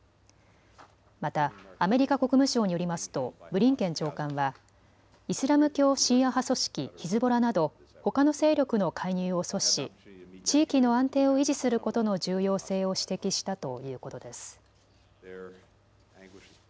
またアメリカ国務省によりますとブリンケン長官はイスラム教シーア派組織ヒズボラなどほかの勢力の介入を阻止し地域の安定を維持することの重要性を指摘したということです。